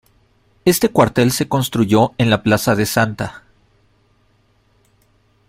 Este Cuartel se construyó en la Plaza de Sta.